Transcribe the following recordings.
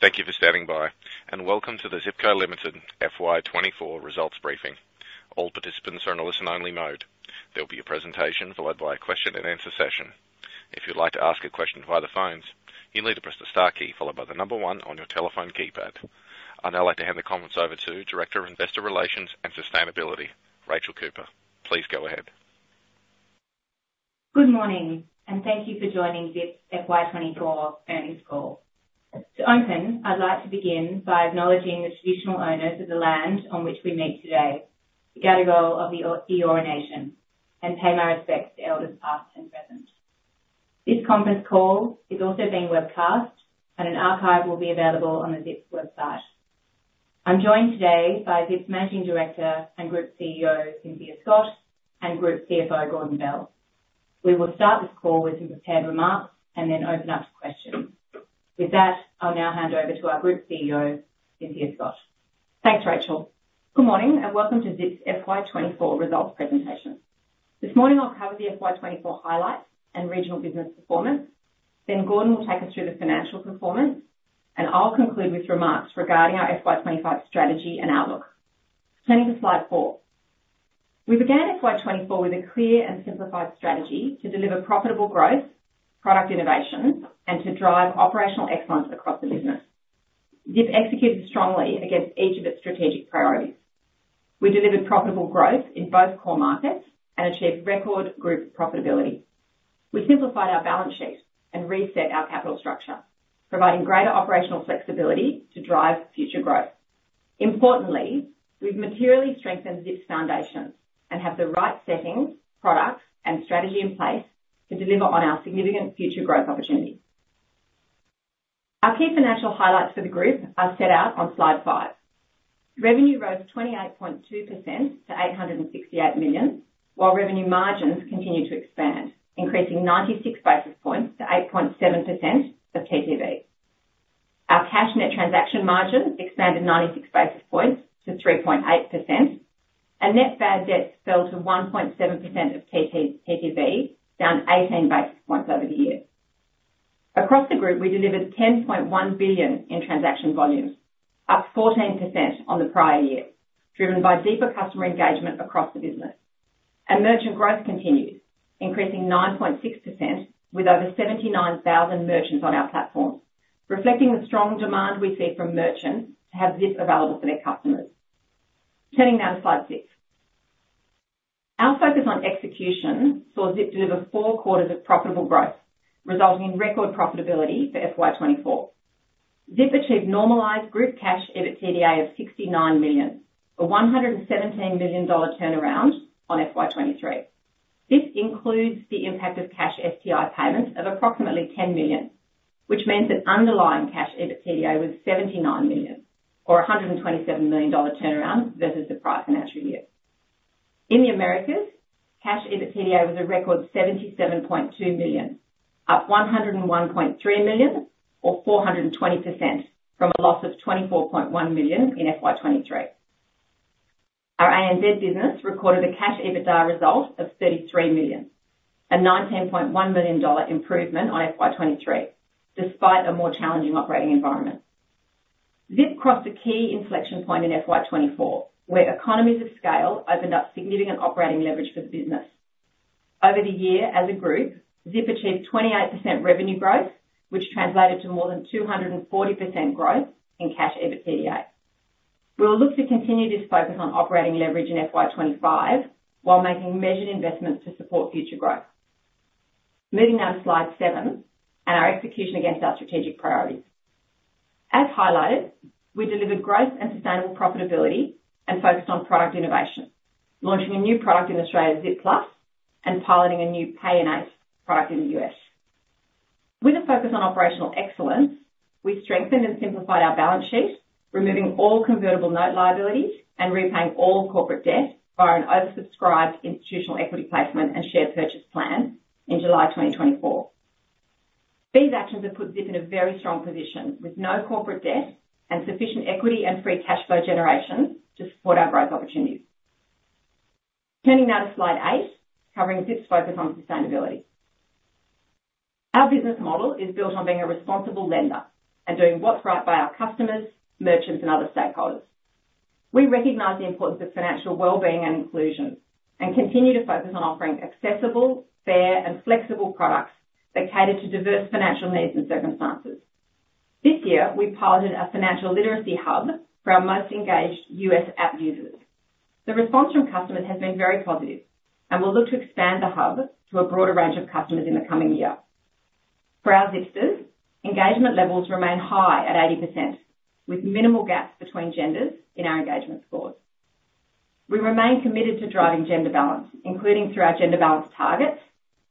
Thank you for standing by, and welcome to the Zip Co Limited FY 24 results briefing. All participants are in a listen-only mode. There will be a presentation followed by a question and answer session. If you'd like to ask a question via the phones, you need to press the star key followed by the number one on your telephone keypad. I'd now like to hand the conference over to Director of Investor Relations and Sustainability, Rachel Cooper. Please go ahead. Good morning, and thank you for joining Zip's FY 24 earnings call. To open, I'd like to begin by acknowledging the traditional owners of the land on which we meet today, the Gadigal of the Eora Nation, and pay my respects to elders, past and present. This conference call is also being webcast, and an archive will be available on Zip's website. I'm joined today by Zip's Managing Director and Group CEO, Cynthia Scott, and Group CFO, Gordon Bell. We will start this call with some prepared remarks and then open up to questions. With that, I'll now hand over to our Group CEO, Cynthia Scott. Thanks, Rachel. Good morning, and welcome to Zip's FY 2024 results presentation. This morning, I'll cover the FY 2024 highlights and regional business performance. Then Gordon will take us through the financial performance, and I'll conclude with remarks regarding our FY 2025 strategy and outlook. Turning to slide four. We began FY 2024 with a clear and simplified strategy to deliver profitable growth, product innovation, and to drive operational excellence across the business. Zip executed strongly against each of its strategic priorities. We delivered profitable growth in both core markets and achieved record group profitability. We simplified our balance sheet and reset our capital structure, providing greater operational flexibility to drive future growth. Importantly, we've materially strengthened Zip's foundation and have the right settings, products, and strategy in place to deliver on our significant future growth opportunities. Our key financial highlights for the group are set out on slide five. Revenue rose 28.2% to 868 million, while revenue margins continued to expand, increasing 96 basis points to 8.7% of TTV. Our cash net transaction margin expanded 96 basis points to 3.8%, and net bad debts fell to 1.7% of TTV, down 18 basis points over the year. Across the group, we delivered 10.1 billion in transaction volumes, up 14% on the prior year, driven by deeper customer engagement across the business, and merchant growth continues, increasing 9.6% with over 79,000 merchants on our platform, reflecting the strong demand we see from merchants to have Zip available for their customers. Turning now to slide six. Our focus on execution saw Zip deliver four quarters of profitable growth, resulting in record profitability for FY 2024. Zip achieved normalized group cash EBITDA of AUD 69 million, a 117 million dollar turnaround on FY 2023. This includes the impact of cash STI payments of approximately 10 million, which means that underlying cash EBITDA was 79 million, or a 127 million dollar turnaround versus the prior financial year. In the Americas, cash EBITDA was a record 77.2 million, up 101.3 million, or 420% from a loss of 24.1 million in FY 2023. Our ANZ business recorded a cash EBITDA result of 33 million, a 19.1 million dollar improvement on FY 2023, despite a more challenging operating environment. Zip crossed a key inflection point in FY 2024, where economies of scale opened up significant operating leverage for the business. Over the year, as a group, Zip achieved 28% revenue growth, which translated to more than 240% growth in Cash EBITDA. We'll look to continue this focus on operating leverage in FY25 while making measured investments to support future growth. Moving now to slide seven and our execution against our strategic priorities. As highlighted, we delivered growth and sustainable profitability and focused on product innovation, launching a new product in Australia, Zip Plus, and piloting a new Pay in 8 product in the US. With a focus on operational excellence, we strengthened and simplified our balance sheet, removing all convertible note liabilities and repaying all corporate debt via an oversubscribed institutional equity placement and share purchase plan in July 2024. These actions have put Zip in a very strong position, with no corporate debt and sufficient equity and free cash flow generation to support our growth opportunities. Turning now to slide eight, covering Zip's focus on sustainability. Our business model is built on being a responsible lender and doing what's right by our customers, merchants, and other stakeholders. We recognize the importance of financial well-being and inclusion, and continue to focus on offering accessible, fair, and flexible products that cater to diverse financial needs and circumstances. This year, we piloted a financial literacy hub for our most engaged U.S. app users. The response from customers has been very positive, and we'll look to expand the hub to a broader range of customers in the coming year. For our Zipsters, engagement levels remain high at 80%, with minimal gaps between genders in our engagement scores. We remain committed to driving gender balance, including through our gender balance targets,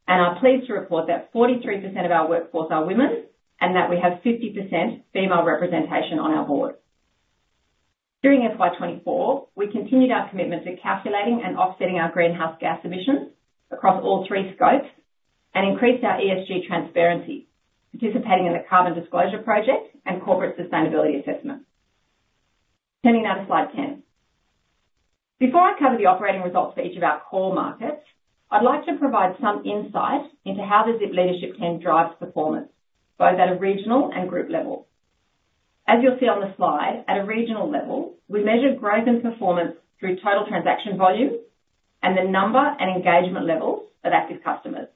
and are pleased to report that 43% of our workforce are women, and that we have 50% female representation on our board. During FY 2024, we continued our commitment to calculating and offsetting our greenhouse gas emissions across all three scopes and increased our ESG transparency, participating in the Carbon Disclosure Project and corporate sustainability assessment. Turning now to slide 10. Before I cover the operating results for each of our core markets, I'd like to provide some insight into how the Zip leadership team drives performance, both at a regional and group level. As you'll see on the slide, at a regional level, we measure growth and performance through total transaction volume and the number and engagement levels of active customers.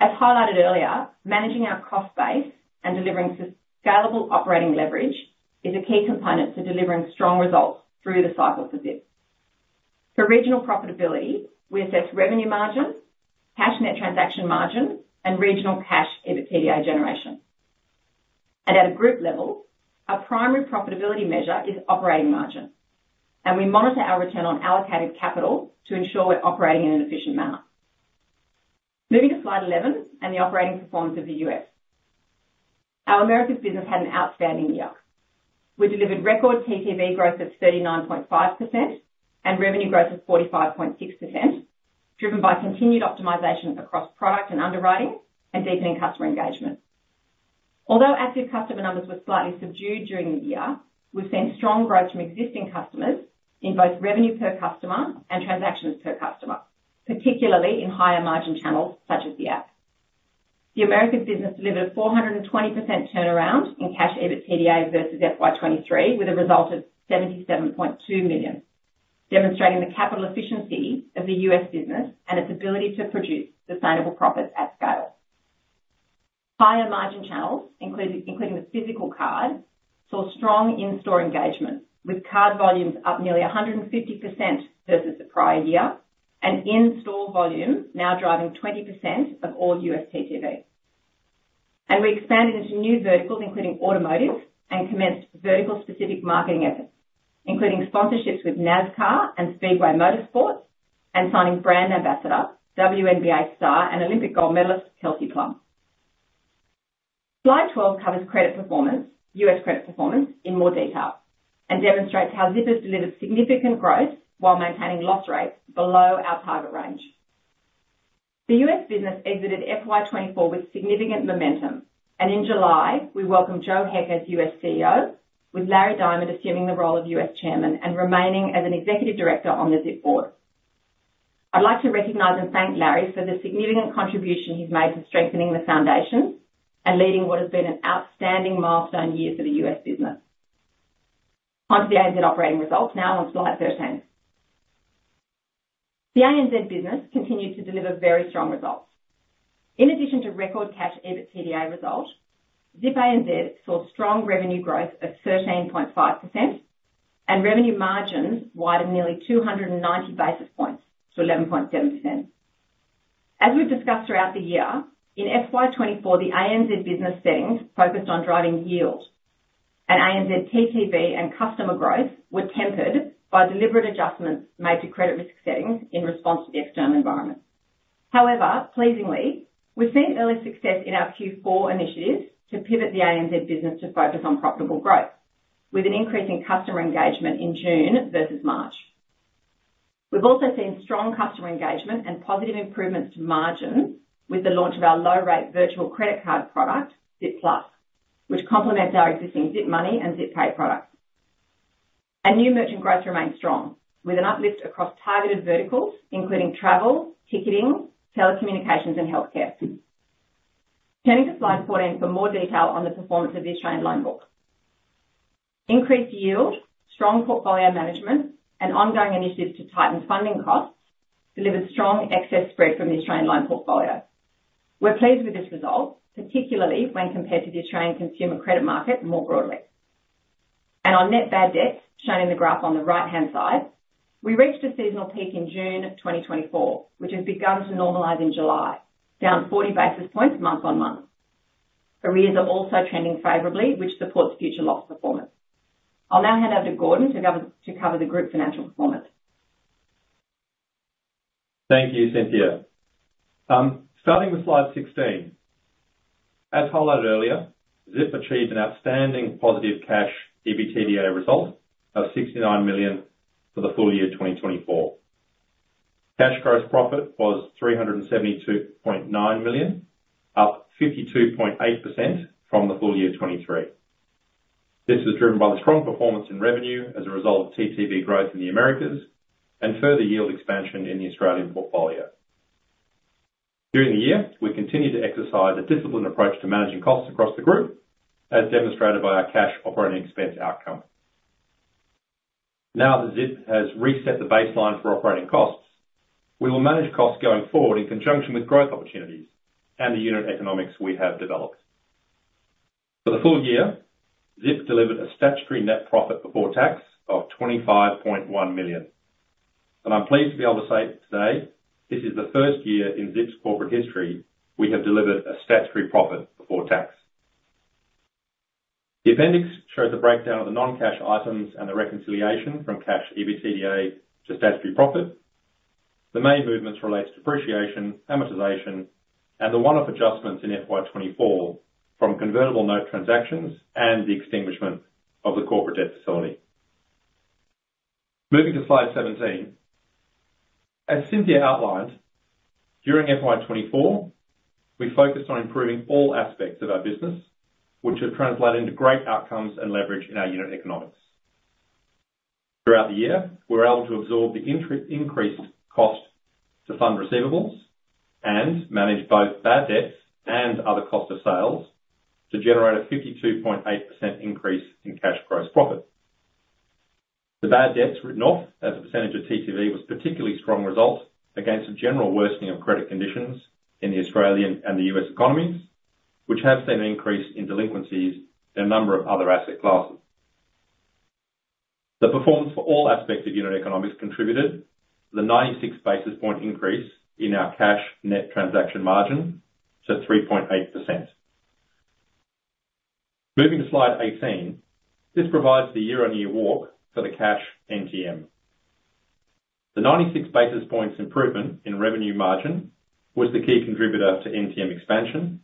As highlighted earlier, managing our cost base and delivering scalable operating leverage is a key component to delivering strong results through the cycle for Zip. For regional profitability, we assess revenue margin, cash net transaction margin, and regional cash EBITDA generation. At a group level, our primary profitability measure is operating margin, and we monitor our return on allocated capital to ensure we're operating in an efficient manner. Moving to slide 11, the operating performance of the U.S. Our Americas business had an outstanding year. We delivered record TTV growth of 39.5% and revenue growth of 45.6%, driven by continued optimization across product and underwriting and deepening customer engagement. Although active customer numbers were slightly subdued during the year, we've seen strong growth from existing customers in both revenue per customer and transactions per customer, particularly in higher margin channels such as the app. The American business delivered a 420% turnaround in cash EBITDA versus FY 2023, with a result of $77.2 million, demonstrating the capital efficiency of the U.S. business and its ability to produce sustainable profits at scale. Higher margin channels, including the physical card, saw strong in-store engagement, with card volumes up nearly 150% versus the prior year, and in-store volume now driving 20% of all U.S. TTV. We expanded into new verticals, including automotive, and commenced vertical-specific marketing efforts, including sponsorships with NASCAR and Speedway Motorsports, and signing brand ambassador, WNBA star and Olympic gold medalist, Kelsey Plum. Slide 12 covers credit performance, US credit performance in more detail, and demonstrates how Zip has delivered significant growth while maintaining loss rates below our target range. The US business exited FY24 with significant momentum, and in July, we welcomed Joe Heck as US CEO, with Larry Diamond assuming the role of US Chairman and remaining as an Executive Director on the Zip board. I'd like to recognize and thank Larry for the significant contribution he's made to strengthening the foundations and leading what has been an outstanding milestone year for the US business. Onto the ANZ operating results now on slide 13. The ANZ business continued to deliver very strong results. In addition to record Cash EBITDA result, Zip ANZ saw strong revenue growth of 13.5%, and revenue margins widened nearly 290 basis points to 11.7%. As we've discussed throughout the year, in FY24, the ANZ business settings focused on driving yield, and ANZ TTV and customer growth were tempered by deliberate adjustments made to credit risk settings in response to the external environment. However, pleasingly, we've seen early success in our Q4 initiatives to pivot the ANZ business to focus on profitable growth, with an increase in customer engagement in June versus March. We've also seen strong customer engagement and positive improvements to margins with the launch of our low-rate virtual credit card product, Zip Plus, which complements our existing Zip Money and Zip Pay products, and new merchant growth remains strong, with an uplift across targeted verticals including travel, ticketing, telecommunications, and healthcare. Turning to slide 14 for more detail on the performance of the Australian loan book. Increased yield, strong portfolio management, and ongoing initiatives to tighten funding costs delivered strong excess spread from the Australian loan portfolio. We're pleased with this result, particularly when compared to the Australian consumer credit market more broadly. And our net bad debts, shown in the graph on the right-hand side, we reached a seasonal peak in June of 2024, which has begun to normalize in July, down forty basis points month on month. Arrears are also trending favorably, which supports future loss performance. I'll now hand over to Gordon to cover the group's financial performance. Thank you, Cynthia. Starting with slide 16. As highlighted earlier, Zip achieved an outstanding positive cash EBITDA result of 69 million for the full year 2024. Cash gross profit was 372.9 million, up 52.8% from the full year 2023. This was driven by the strong performance in revenue as a result of TTV growth in the Americas and further yield expansion in the Australian portfolio. During the year, we continued to exercise a disciplined approach to managing costs across the group, as demonstrated by our cash operating expense outcome. Now that Zip has reset the baseline for operating costs, we will manage costs going forward in conjunction with growth opportunities and the unit economics we have developed. For the full year, Zip delivered a statutory net profit before tax of 25.1 million. I'm pleased to be able to say today, this is the first year in Zip's corporate history we have delivered a statutory profit before tax. The appendix shows a breakdown of the non-cash items and the reconciliation from cash EBITDA to statutory profit. The main movements relate to depreciation, amortization, and the one-off adjustments in FY 2024 from convertible note transactions and the extinguishment of the corporate debt facility. Moving to slide 17. As Cynthia outlined, during FY 2024, we focused on improving all aspects of our business, which have translated into great outcomes and leverage in our unit economics. Throughout the year, we're able to absorb the increased cost to fund receivables and manage both bad debts and other cost of sales to generate a 52.8% increase in cash gross profit. The bad debts written off as a percentage of TTV was particularly strong result against a general worsening of credit conditions in the Australian and the US economies, which have seen an increase in delinquencies in a number of other asset classes. The performance for all aspects of unit economics contributed the 96 basis point increase in our cash net transaction margin to 3.8%. Moving to Slide 18, this provides the year-on-year walk for the cash NTM. The 96 basis points improvement in revenue margin was the key contributor to NTM expansion,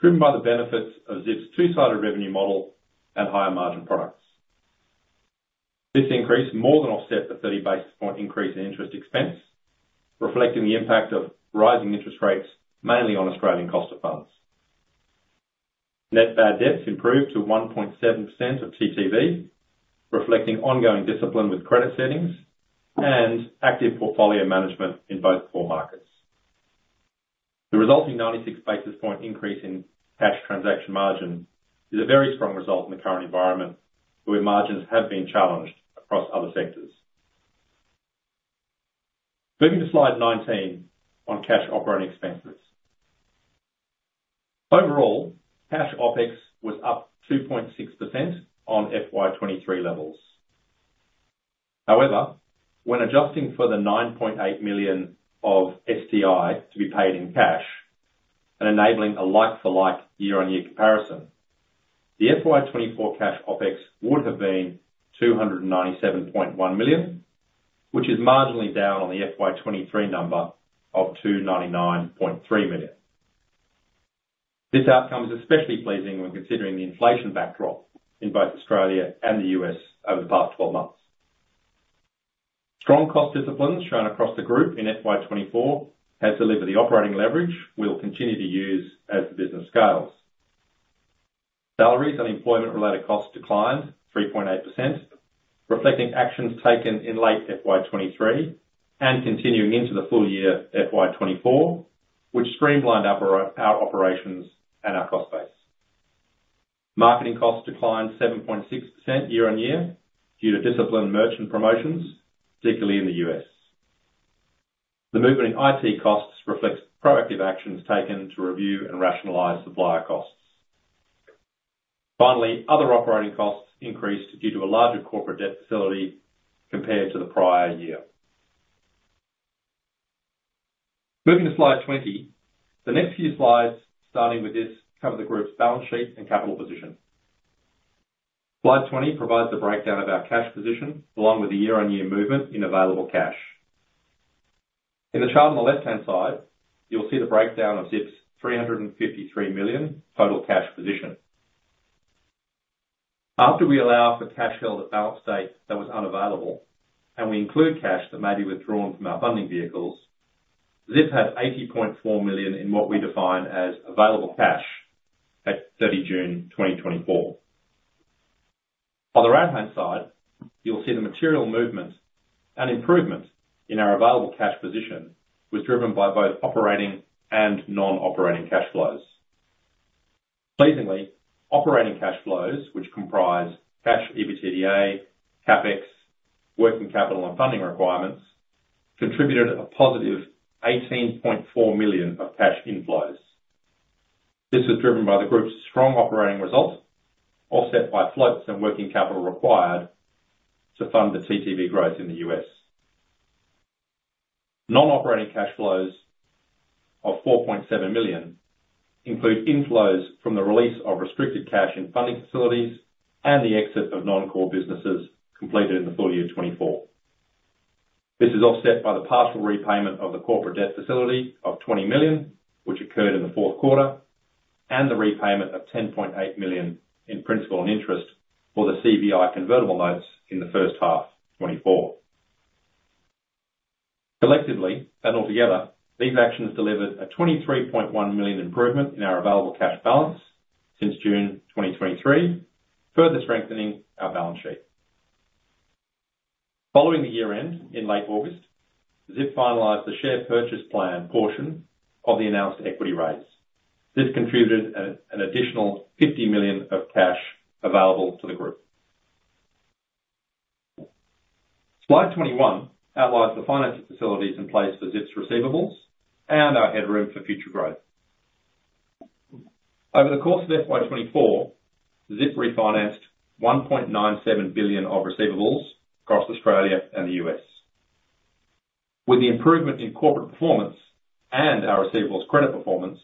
driven by the benefits of Zip's two-sided revenue model and higher margin products. This increase more than offset the 30 basis point increase in interest expense, reflecting the impact of rising interest rates, mainly on Australian cost of funds. Net bad debts improved to 1.7% of TTV, reflecting ongoing discipline with credit settings and active portfolio management in both core markets. The resulting 96 basis point increase in cash transaction margin is a very strong result in the current environment, where margins have been challenged across other sectors. Moving to Slide 19 on cash operating expenses. Overall, cash OpEx was up 2.6% on FY 2023 levels. However, when adjusting for the 9.8 million of STI to be paid in cash and enabling a like-for-like year-on-year comparison, the FY 2024 cash OpEx would have been 297.1 million, which is marginally down on the FY 2023 number of 299.3 million. This outcome is especially pleasing when considering the inflation backdrop in both Australia and the U.S. over the past twelve months. Strong cost discipline shown across the group in FY24 has delivered the operating leverage we'll continue to use as the business scales. Salaries and employment-related costs declined 3.8%, reflecting actions taken in late FY23 and continuing into the full year FY24, which streamlined our operations and our cost base. Marketing costs declined 7.6% year-on-year due to disciplined merchant promotions, particularly in the US. The movement in IT costs reflects proactive actions taken to review and rationalize supplier costs. Finally, other operating costs increased due to a larger corporate debt facility compared to the prior year. Moving to Slide 20. The next few slides, starting with this, cover the group's balance sheet and capital position. Slide 20 provides a breakdown of our cash position, along with the year-on-year movement in available cash. In the chart on the left-hand side, you'll see the breakdown of Zip's 353 million total cash position. After we allow for cash held at balance sheet that was unavailable, and we include cash that may be withdrawn from our funding vehicles, Zip had 80.4 million in what we define as available cash at 30 June 2024. On the right-hand side, you'll see the material movement and improvement in our available cash position was driven by both operating and non-operating cash flows. Pleasingly, operating cash flows, which comprise cash EBITDA, CapEx, working capital and funding requirements, contributed a positive 18.4 million of cash inflows. This was driven by the group's strong operating result, offset by floats and working capital required to fund the TTV growth in the US. Non-operating cash flows of 4.7 million include inflows from the release of restricted cash and funding facilities and the exit of non-core businesses completed in the full year 2024. This is offset by the partial repayment of the corporate debt facility of 20 million, which occurred in the fourth quarter, and the repayment of 10.8 million in principal and interest for the CVI convertible notes in the first half of 2024. Collectively, and altogether, these actions delivered a 23.1 million improvement in our available cash balance since June 2023, further strengthening our balance sheet. Following the year-end in late August, Zip finalized the share purchase plan portion of the announced equity raise. This contributed an additional 50 million of cash available to the group. Slide 21 outlines the financing facilities in place for Zip's receivables and our headroom for future growth. Over the course of FY24, Zip refinanced $1.97 billion of receivables across Australia and the US. With the improvement in corporate performance and our receivables credit performance,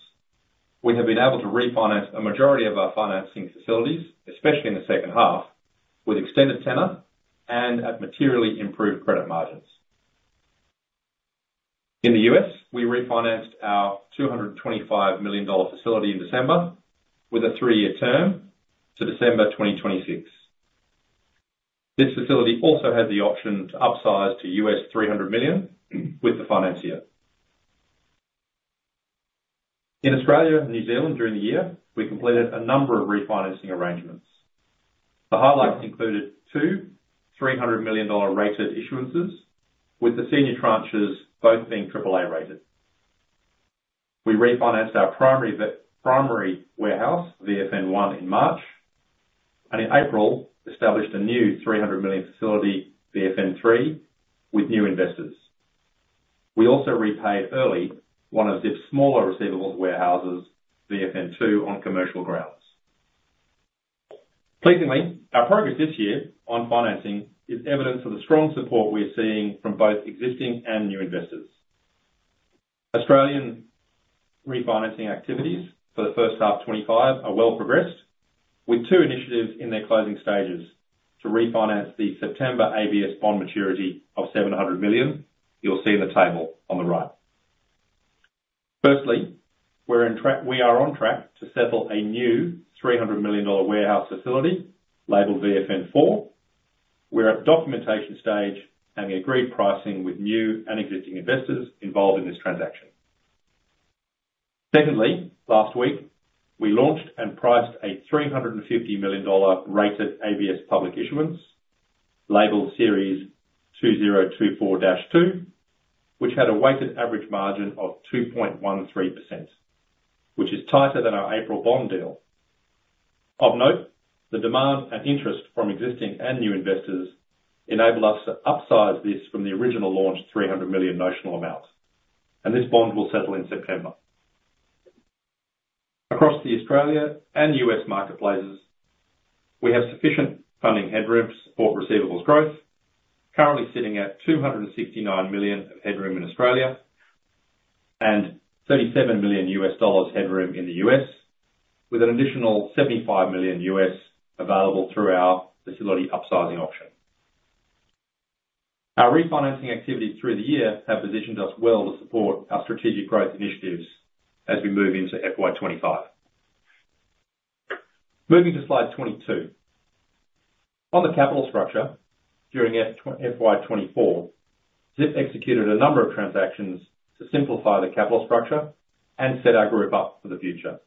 we have been able to refinance a majority of our financing facilities, especially in the second half, with extended tenor and at materially improved credit margins. In the US, we refinanced our $225 million facility in December with a three-year term to December 2026. This facility also has the option to upsize to $300 million with the financier. In Australia and New Zealand during the year, we completed a number of refinancing arrangements. The highlights included two $300 million rated issuances, with the senior tranches both being AAA rated. We refinanced our primary warehouse, VFN One, in March, and in April, established a new 300 million facility, VFN Three, with new investors. We also repaid early one of the smaller receivables warehouses, VFN Two, on commercial grounds. Pleasingly, our progress this year on financing is evidence of the strong support we are seeing from both existing and new investors. Australian refinancing activities for the first half 2025 are well progressed, with two initiatives in their closing stages to refinance the September ABS bond maturity of 700 million. You'll see in the table on the right. Firstly, we are on track to settle a new 300 million dollar warehouse facility labeled VFN Four. We're at documentation stage and we agreed pricing with new and existing investors involved in this transaction. Secondly, last week, we launched and priced a $350 million rated ABS public issuance, labeled Series 2024-2, which had a weighted average margin of 2.13%, which is tighter than our April bond deal. Of note, the demand and interest from existing and new investors enabled us to upsize this from the original launch $300 million notional amounts, and this bond will settle in September. Across the Australia and US marketplaces, we have sufficient funding headroom to support receivables growth, currently sitting at 269 million of headroom in Australia and $37 million headroom in the US, with an additional $75 million available through our facility upsizing option. Our refinancing activities through the year have positioned us well to support our strategic growth initiatives as we move into FY25. Moving to slide 22. On the capital structure, during FY24, Zip executed a number of transactions to simplify the capital structure and set our group up for the future.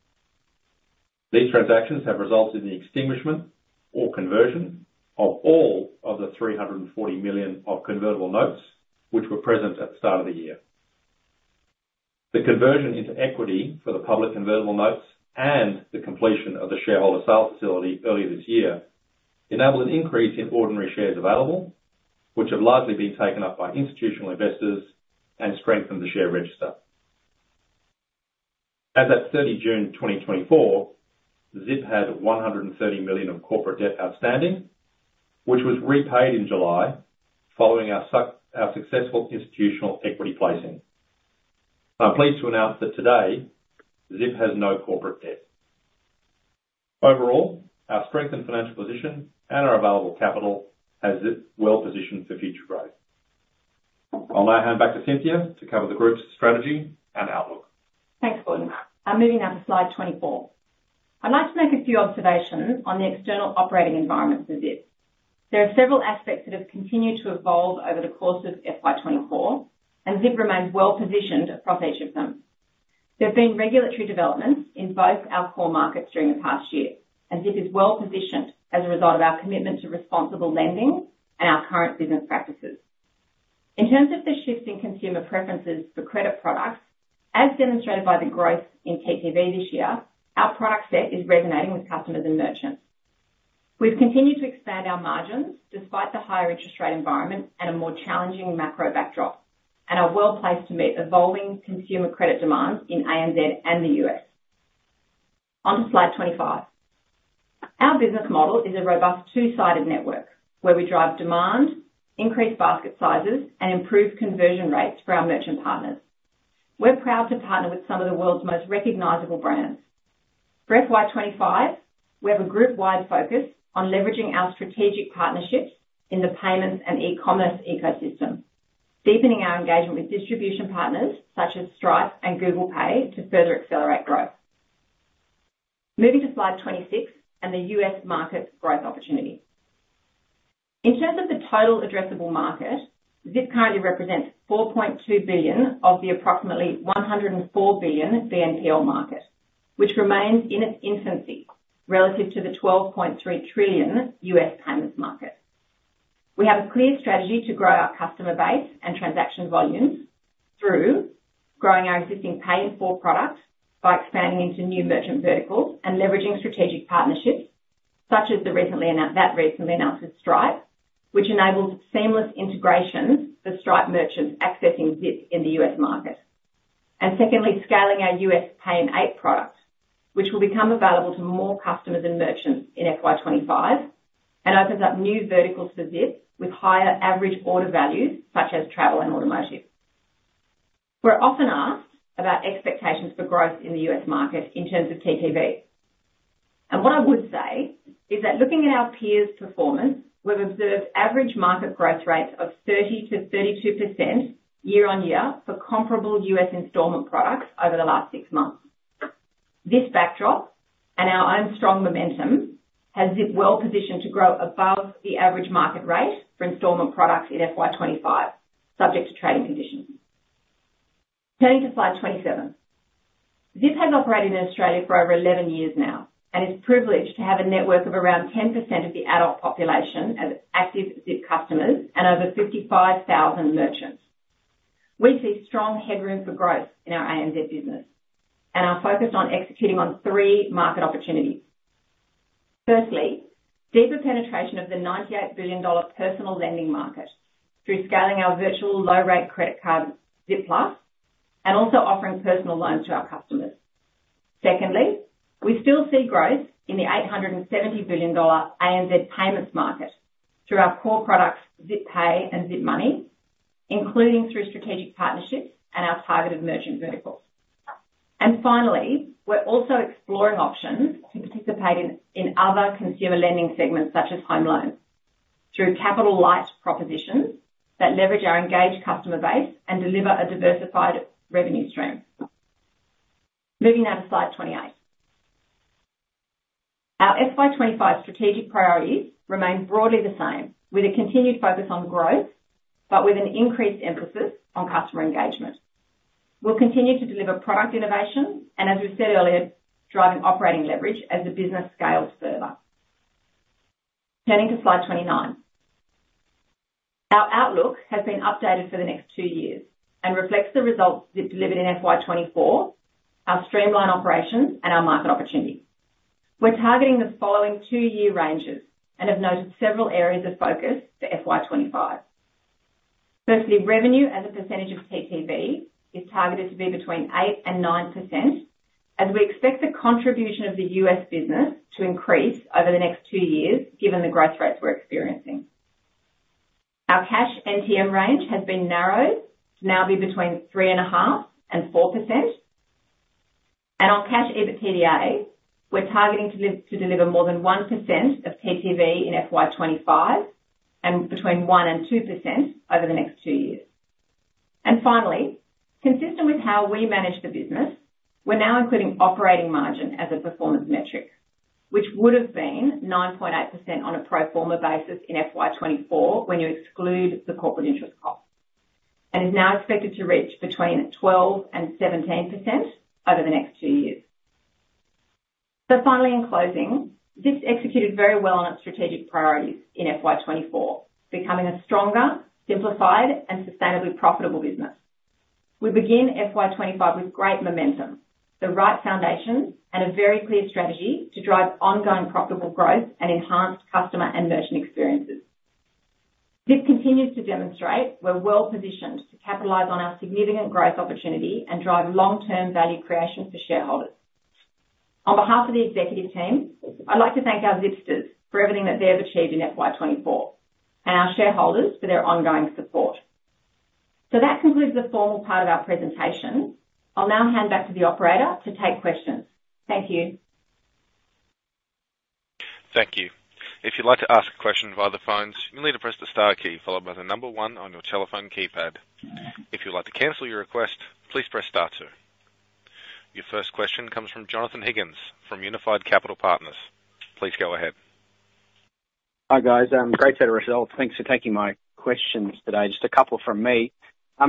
These transactions have resulted in the extinguishment or conversion of all of the 340 million of convertible notes, which were present at the start of the year. The conversion into equity for the public convertible notes and the completion of the shareholder sale facility earlier this year enabled an increase in ordinary shares available, which have largely been taken up by institutional investors and strengthened the share register. As at 30 June 2024, Zip had 130 million of corporate debt outstanding, which was repaid in July following our successful institutional equity placing. I'm pleased to announce that today, Zip has no corporate debt. Overall, our strengthened financial position and our available capital has Zip well positioned for future growth. I'll now hand back to Cynthia to cover the group's strategy and outlook. Thanks, Gordon. I'm moving now to slide 24. I'd like to make a few observations on the external operating environment for Zip. There are several aspects that have continued to evolve over the course of FY24, and Zip remains well positioned across each of them. There have been regulatory developments in both our core markets during the past year, and Zip is well positioned as a result of our commitment to responsible lending and our current business practices. In terms of the shift in consumer preferences for credit products, as demonstrated by the growth in TTV this year, our product set is resonating with customers and merchants. We've continued to expand our margins despite the higher interest rate environment and a more challenging macro backdrop, and are well placed to meet evolving consumer credit demands in ANZ and the U.S. On to slide 25. Our business model is a robust two-sided network where we drive demand, increase basket sizes, and improve conversion rates for our merchant partners. We're proud to partner with some of the world's most recognizable brands. For FY25, we have a group-wide focus on leveraging our strategic partnerships in the payments and e-commerce ecosystem, deepening our engagement with distribution partners such as Stripe and Google Pay, to further accelerate growth. Moving to slide 26 and the US market growth opportunity. In terms of the total addressable market, Zip currently represents $4.2 billion of the approximately $104 billion BNPL market, which remains in its infancy relative to the $12.3 trillion US payments market. We have a clear strategy to grow our customer base and transaction volumes through growing our existing Pay in 4 products by expanding into new merchant verticals and leveraging strategic partnerships, such as that recently announced with Stripe, which enables seamless integrations for Stripe merchants accessing Zip in the U.S. market. Secondly, scaling our U.S. Pay in 8 products, which will become available to more customers and merchants in FY25 and opens up new verticals for Zip with higher average order values, such as travel and automotive. We're often asked about expectations for growth in the U.S. market in terms of TTV. What I would say is that looking at our peers' performance, we've observed average market growth rates of 30%-32% year on year for comparable U.S. installment products over the last six months. This backdrop and our own strong momentum has Zip well positioned to grow above the average market rate for installment products in FY 2025, subject to trading conditions. Turning to slide 27. Zip has operated in Australia for over 11 years now, and is privileged to have a network of around 10% of the adult population as active Zip customers and over 55,000 merchants. We see strong headroom for growth in our ANZ business and are focused on executing on three market opportunities. Firstly, deeper penetration of the $98 billion personal lending market through scaling our virtual low-rate credit card, Zip Plus, and also offering personal loans to our customers. Secondly, we still see growth in the $870 billion ANZ payments market through our core products, Zip Pay and Zip Money, including through strategic partnerships and our targeted merchant verticals. And finally, we're also exploring options to participate in other consumer lending segments, such as home loans, through capital light propositions that leverage our engaged customer base and deliver a diversified revenue stream. Moving now to slide 28. Our FY 25 strategic priorities remain broadly the same, with a continued focus on growth, but with an increased emphasis on customer engagement. We'll continue to deliver product innovation, and as we said earlier, driving operating leverage as the business scales further. Turning to slide 29. Our outlook has been updated for the next two years and reflects the results we've delivered in FY 24, our streamlined operations, and our market opportunities. We're targeting the following two-year ranges and have noted several areas of focus for FY 25. Firstly, revenue as a percentage of TTV is targeted to be between 8% and 9%, as we expect the contribution of the US business to increase over the next two years, given the growth rates we're experiencing. Our cash NTM range has been narrowed to now be between 3.5% and 4%. And on cash EBITDA, we're targeting to deliver more than 1% of TTV in FY 2025, and between 1% and 2% over the next two years, and finally, consistent with how we manage the business, we're now including operating margin as a performance metric, which would've been 9.8% on a pro forma basis in FY 2024, when you exclude the corporate interest cost, and is now expected to reach between 12% and 17% over the next two years. Finally, in closing, Zip executed very well on its strategic priorities in FY 24, becoming a stronger, simplified, and sustainably profitable business. We begin FY 25 with great momentum, the right foundation, and a very clear strategy to drive ongoing profitable growth and enhanced customer and merchant experiences. This continues to demonstrate we're well positioned to capitalize on our significant growth opportunity and drive long-term value creation for shareholders. On behalf of the executive team, I'd like to thank our Zipsters for everything that they have achieved in FY 24, and our shareholders for their ongoing support. That concludes the formal part of our presentation. I'll now hand back to the operator to take questions. Thank you. Thank you. If you'd like to ask a question via the phones, you'll need to press the star key followed by the number one on your telephone keypad. If you'd like to cancel your request, please press star two. Your first question comes from Jonathan Higgins from Unified Capital Partners. Please go ahead. Hi, guys. Great set of results. Thanks for taking my questions today. Just a couple from me.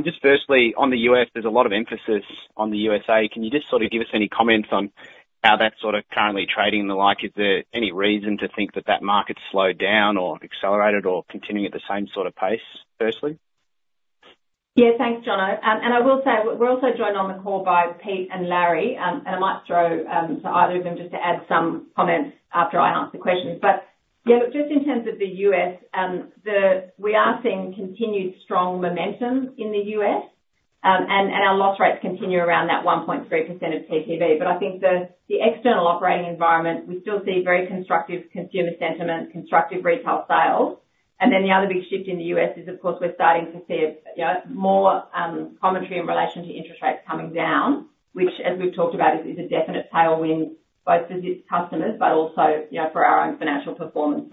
Just firstly, on the U.S., there's a lot of emphasis on the USA. Can you just sort of give us any comments on how that's sort of currently trading and the like? Is there any reason to think that that market's slowed down or accelerated or continuing at the same sort of pace, firstly? Yeah, thanks, John. And I will say, we're also joined on the call by Pete and Larry, and I might throw to either of them just to add some comments after I answer the questions. But yeah, look, just in terms of the US, we are seeing continued strong momentum in the US, and our loss rates continue around that 1.3% of TTV. But I think the external operating environment, we still see very constructive consumer sentiment, constructive retail sales. And then the other big shift in the US is, of course, we're starting to see a, you know, more commentary in relation to interest rates coming down, which, as we've talked about, is a definite tailwind both to Zip's customers, but also, you know, for our own financial performance.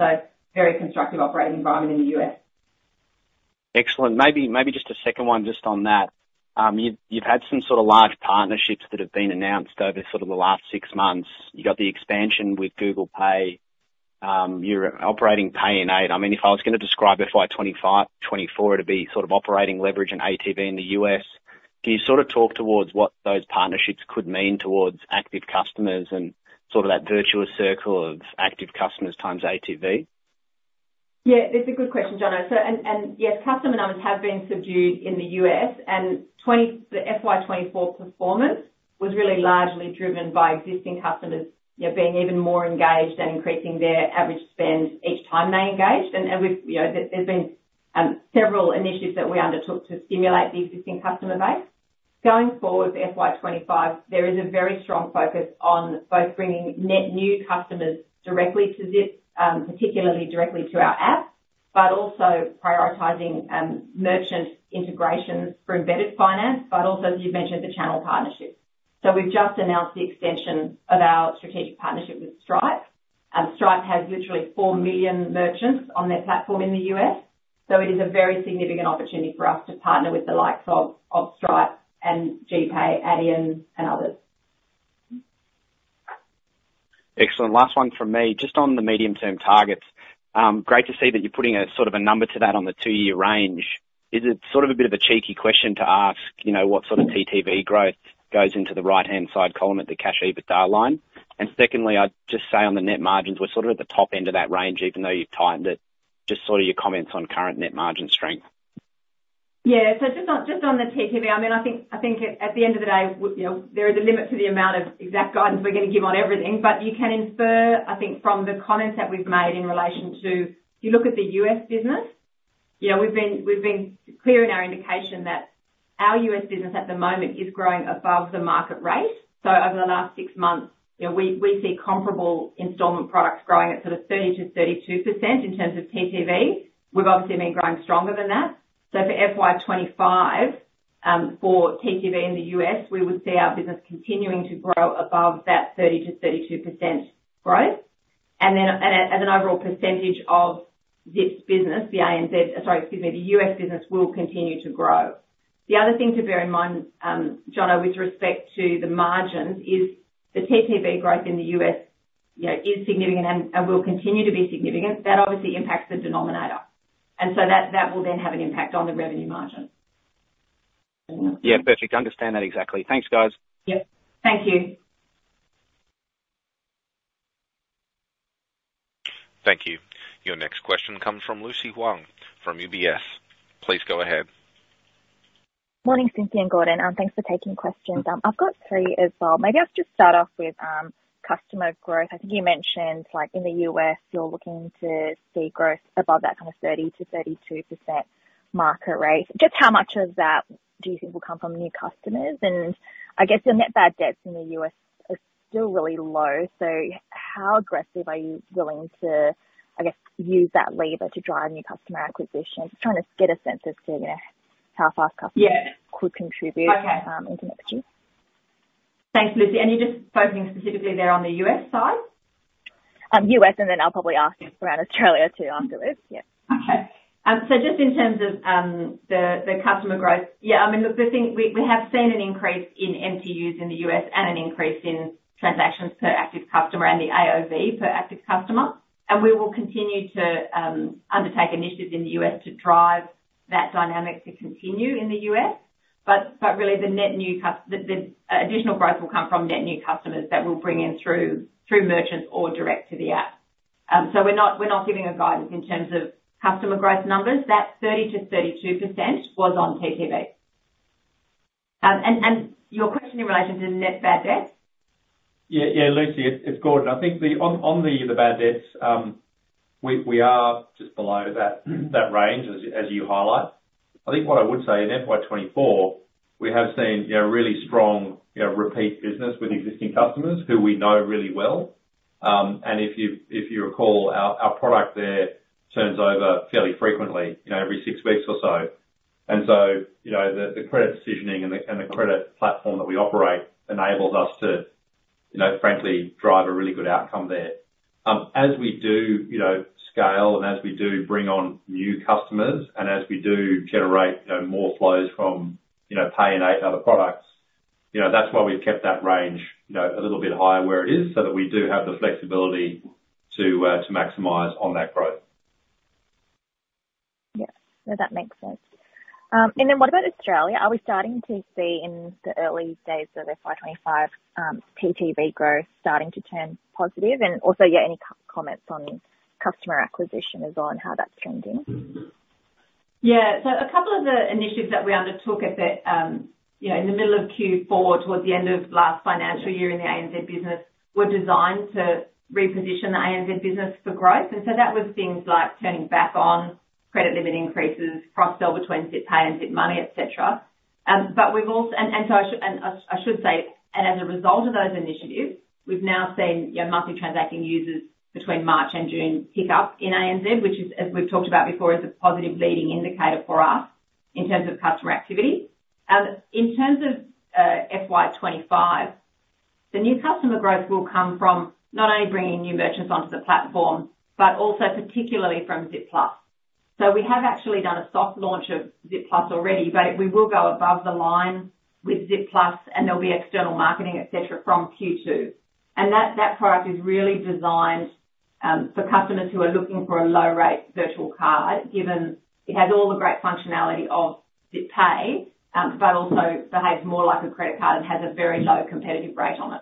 Very constructive operating environment in the U.S. Excellent. Maybe just a second one just on that. You've had some sort of large partnerships that have been announced over sort of the last six months. You got the expansion with Google Pay, you're operating Pay in 8. I mean, if I was going to describe FY24 to FY25 to be sort of operating leverage and ATV in the US, can you sort of talk towards what those partnerships could mean towards active customers and sort of that virtuous circle of active customers times ATV? Yeah, that's a good question, John. So, and yes, customer numbers have been subdued in the U.S., and the FY 2024 performance was really largely driven by existing customers, you know, being even more engaged and increasing their average spend each time they engaged. And we've, you know, there has been several initiatives that we undertook to stimulate the existing customer base. Going forward, FY 2025, there is a very strong focus on both bringing net new customers directly to Zip, particularly directly to our app, but also prioritizing merchant integrations for embedded finance, but also, as you've mentioned, the channel partnerships. So we've just announced the extension of our strategic partnership with Stripe. Stripe has literally 4 million merchants on their platform in the U.S. So it is a very significant opportunity for us to partner with the likes of Stripe and GPay, Adyen, and others. Excellent. Last one from me. Just on the medium-term targets, great to see that you're putting a sort of a number to that on the two-year range. Is it sort of a bit of a cheeky question to ask, you know, what sort of TTV growth goes into the right-hand side column at the Cash EBITDA line? And secondly, I'd just say on the net margins, we're sort of at the top end of that range, even though you've tightened it. Just sort of your comments on current net margin strength. Yeah. So just on the TTV, I mean, I think at the end of the day, you know, there is a limit to the amount of exact guidance we're gonna give on everything, but you can infer, I think, from the comments that we've made in relation to, if you look at the US business, you know, we've been clear in our indication that our US business at the moment is growing above the market rate. So over the last six months, you know, we see comparable installment products growing at sort of 30-32% in terms of TTV. We've obviously been growing stronger than that. So for FY 2025, for TTV in the US, we would see our business continuing to grow above that 30-32% growth. As an overall percentage of this business, the US business will continue to grow. The other thing to bear in mind, Jono, with respect to the margins, is the TTV growth in the US, you know, is significant and will continue to be significant. That obviously impacts the denominator, and so that will then have an impact on the revenue margin. Yeah, perfect. I understand that exactly. Thanks, guys. Yep. Thank you. Thank you. Your next question comes from Lucy Huang, from UBS. Please go ahead. Morning, Cynthia and Gordon, thanks for taking questions. I've got three as well. Maybe I'll just start off with, customer growth. I think you mentioned, like, in the U.S., you're looking to see growth above that kind of 30%-32% market rate. Just how much of that do you think will come from new customers? And I guess your net bad debts in the U.S. are still really low, so how aggressive are you willing to, I guess, use that lever to drive new customer acquisition? Just trying to get a sense as to, you know, how far customers- Yeah. -could contribute- Okay. in the future. Thanks, Lucy. And you're just focusing specifically there on the U.S. side? U.S., and then I'll probably ask around Australia, too, afterwards. Yeah. Okay. So just in terms of the customer growth. Yeah, I mean, look, the thing, we have seen an increase in MTUs in the US and an increase in transactions per active customer and the AOV per active customer. And we will continue to undertake initiatives in the US to drive that dynamic to continue in the US. But really the additional growth will come from net new customers that we'll bring in through merchants or direct to the app. So we're not giving guidance in terms of customer growth numbers. That 30%-32% was on TTV. And your question in relation to net bad debts? Yeah, yeah, Lucy, it's Gordon. I think on the bad debts, we are just below that range, as you highlight. I think what I would say, in FY 2024, we have seen, you know, really strong, you know, repeat business with existing customers who we know really well. And if you recall, our product there turns over fairly frequently, you know, every six weeks or so. And so, you know, the credit decisioning and the credit platform that we operate enables us to, you know, frankly, drive a really good outcome there. As we do, you know, scale and as we do bring on new customers and as we do generate, you know, more flows from, you know, Pay and other products, you know, that's why we've kept that range, you know, a little bit higher where it is, so that we do have the flexibility to maximize on that growth. Yeah. No, that makes sense. And then what about Australia? Are we starting to see in the early days of FY 25, TTV growth starting to turn positive? And also, yeah, any color comments on customer acquisition as well, and how that's trending? Yeah. So a couple of the initiatives that we undertook at the, you know, in the middle of Q4, towards the end of last financial year in the ANZ business, were designed to reposition the ANZ business for growth. And so that was things like turning back on credit limit increases, cross-sell between Zip Pay and Zip Money, et cetera. But we've also... And so I should say, and as a result of those initiatives, we've now seen, you know, monthly transacting users between March and June pick up in ANZ, which is, as we've talked about before, is a positive leading indicator for us in terms of customer activity. In terms of FY 25, the new customer growth will come from not only bringing new merchants onto the platform, but also particularly from Zip Plus. So we have actually done a soft launch of Zip Plus already, but we will go above the line with Zip Plus, and there'll be external marketing, et cetera, from Q2. And that, that product is really designed for customers who are looking for a low-rate virtual card, given it has all the great functionality of Zip Pay, but also behaves more like a credit card and has a very low competitive rate on it.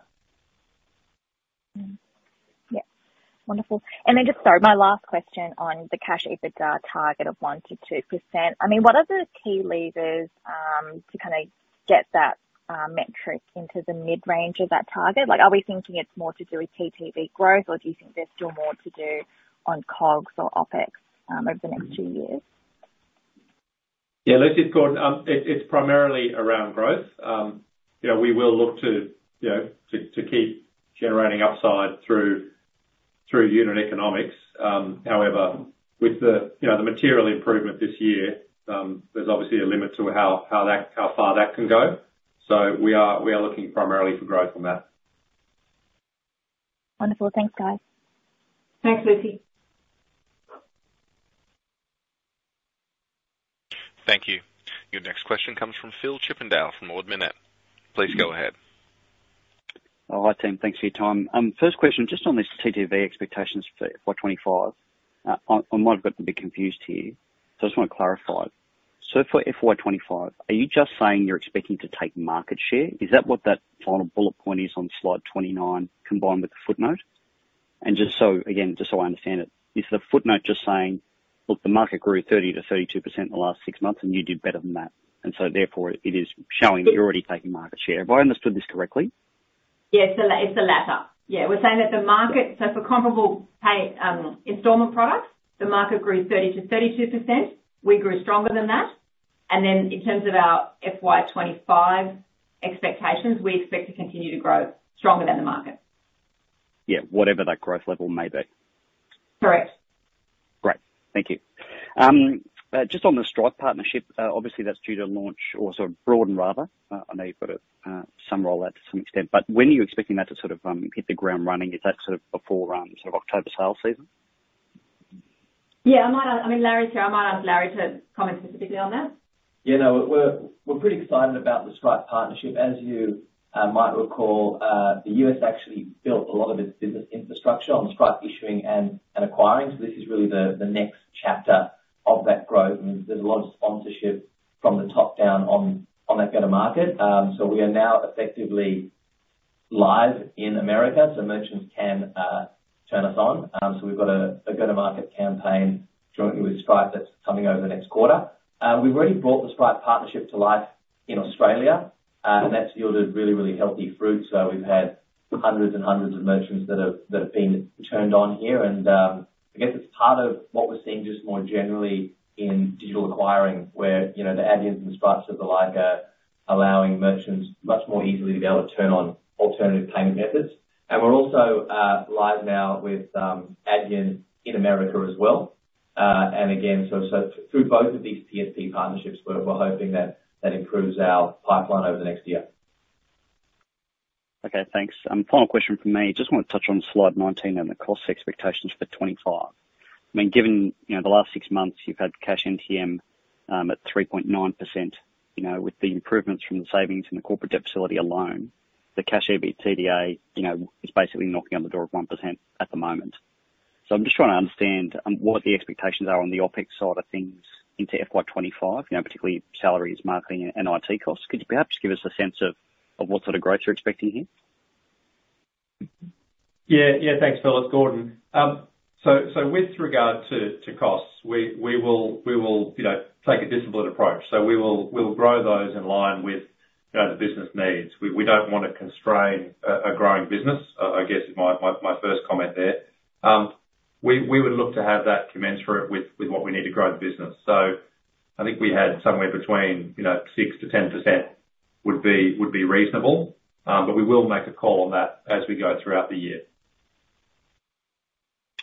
Yeah. Wonderful. And then just, sorry, my last question on the cash EBITDA target of 1%-2%. I mean, what are the key levers to kind of get that metric into the mid-range of that target? Like, are we thinking it's more to do with TTV growth, or do you think there's still more to do on COGS or OpEx over the next two years? Yeah, Lucy, it's Gordon. It's primarily around growth. You know, we will look to keep generating upside through unit economics. However, with the you know material improvement this year, there's obviously a limit to how far that can go. So we are looking primarily for growth on that. Wonderful. Thanks, guys. Thanks, Lucy. Thank you. Your next question comes from Phil Chippindale from Ord Minnett. Please go ahead. Oh, hi, team. Thanks for your time. First question, just on this TTV expectations for FY 2025. I might have gotten a bit confused here, so I just want to clarify. So for FY 2025, are you just saying you're expecting to take market share? Is that what that final bullet point is on slide 29, combined with the footnote? And just so, again, just so I understand it, is the footnote just saying, "Look, the market grew 30%-32% in the last six months, and you did better than that." And so therefore, it is showing that you're already taking market share. Have I understood this correctly? Yeah. It's the latter. Yeah, we're saying that the market. For comparable pay installment products, the market grew 30%-32%. We grew stronger than that. Then, in terms of our FY25 expectations, we expect to continue to grow stronger than the market. Yeah, whatever that growth level may be. Correct. Great. Thank you. Just on the Stripe partnership, obviously, that's due to launch or sort of broaden, rather. I know you've got it, some roll out to some extent, but when are you expecting that to sort of hit the ground running? Is that sort of before, sort of October sales season? Yeah. I might ask. I mean, Larry's here. I might ask Larry to comment specifically on that. Yeah, no, we're pretty excited about the Stripe partnership. As you might recall, the US actually built a lot of its business infrastructure on Stripe issuing and acquiring. So this is really the next chapter of that growth, and there's a lot of sponsorship from the top down on that go-to-market. So we are now effectively live in America, so merchants can turn us on. So we've got a go-to-market campaign jointly with Stripe that's coming over the next quarter. We've already brought the Stripe partnership to life in Australia, and that's yielded really, really healthy fruit. So we've had hundreds and hundreds of merchants that have been turned on here. I guess it's part of what we're seeing just more generally in digital acquiring, where, you know, the Adyens and the Stripes of the like are allowing merchants much more easily to be able to turn on alternative payment methods. We're also live now with Adyen in America as well. Again, through both of these PSP partnerships, we're hoping that improves our pipeline over the next year. Okay, thanks. Final question from me. Just want to touch on slide 19 and the cost expectations for 2025. I mean, given, you know, the last six months, you've had cash NTM at 3.9%, you know, with the improvements from the savings and the corporate debt facility alone, the cash EBITDA, you know, is basically knocking on the door of 1% at the moment. So I'm just trying to understand what the expectations are on the OpEx side of things into FY 2025, you know, particularly salaries, marketing, and IT costs. Could you perhaps give us a sense of what sort of growth you're expecting here? Yeah. Yeah, thanks, Phil. It's Gordon. So with regard to costs, we will take a disciplined approach. So we will grow those in line with you know the business needs. We don't want to constrain a growing business, I guess is my first comment there. We would look to have that commensurate with what we need to grow the business. So I think we had somewhere between you know 6% to 10% would be reasonable, but we will make a call on that as we go throughout the year.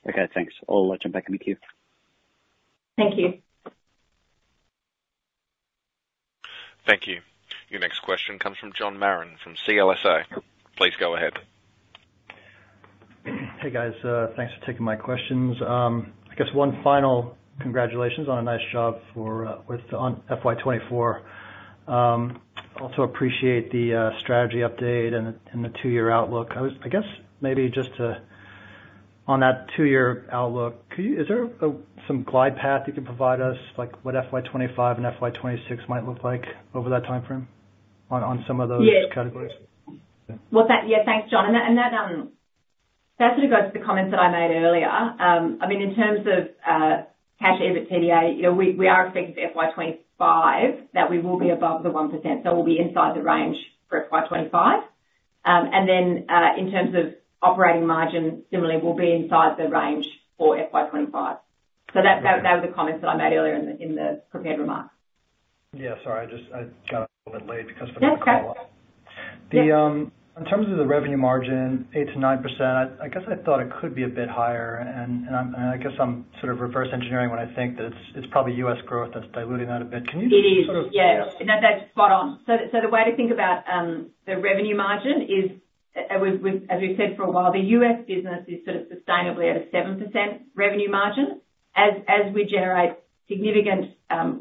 Okay, thanks. I'll jump back in the queue. Thank you. Thank you. Your next question comes from John Marren from CLSA. Please go ahead. Hey, guys, thanks for taking my questions. I guess one final congratulations on a nice job for with on FY 2024. Also appreciate the strategy update and the two-year outlook. I guess maybe just to, on that two-year outlook, could you. Is there some glide path you can provide us, like what FY 2025 and FY 2026 might look like over that timeframe on some of those. Yeah -categories? Thanks, John. That sort of goes to the comments that I made earlier. I mean, in terms of cash EBITDA, you know, we are expecting FY25 that we will be above the 1%, so we'll be inside the range for FY25. And then, in terms of operating margin, similarly, we'll be inside the range for FY25. Okay. So that was the comments that I made earlier in the prepared remarks. Yeah, sorry, I just, I got on a little bit late because- That's okay. The, in terms of the revenue margin, 8%-9%, I guess I thought it could be a bit higher, and I'm, and I guess I'm sort of reverse engineering when I think that it's probably US growth that's diluting that a bit. Can you- It is. Sort of- Yes. That, that's spot on. So the way to think about the revenue margin is, we've -- as we've said for a while, the US business is sort of sustainably at a 7% revenue margin. As we generate significant